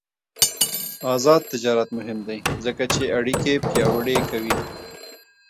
آزاد تجارت مهم دی ځکه چې اړیکې پیاوړې کوي.